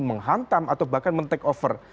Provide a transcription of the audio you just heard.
menghantam atau bahkan men take over